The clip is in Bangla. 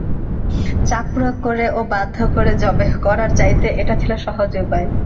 চাপ প্রয়োগ করে ও বাধ্য করে যবেহ করার চাইতে এটা ছিল সহজ উপায়।